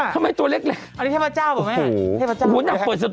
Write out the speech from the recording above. ทำไมตัวเล็กอันนี้เทพเจ้าเหรอแม่